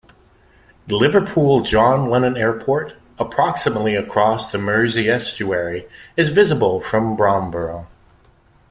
Liverpool John Lennon Airport, approximately across the Mersey Estuary, is visible from Bromborough.